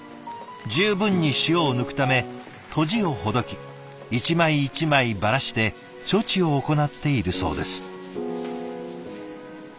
十分に塩を抜くためとじをほどき一枚一枚ばらして処置を行っているそうです。